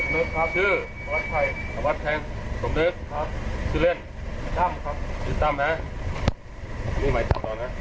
นี่ต้ำต้องนะแต่ไม่ทำอะไรมา